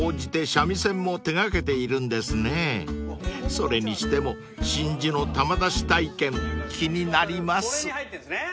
［それにしても真珠の珠出し体験気になります］